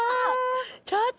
ちょっと！